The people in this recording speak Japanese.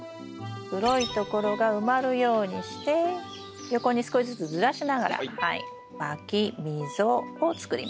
黒いところが埋まるようにして横に少しずつずらしながらまき溝を作ります。